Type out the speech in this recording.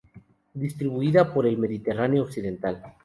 Distribuida por el Mediterráneo Occidental.